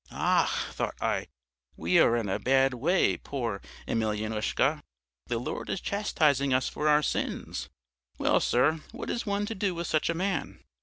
"A ach, thought I, we are in a bad way, poor Emelyanoushka! The Lord is chastising us for our sins. Well, sir, what is one to do with such a man?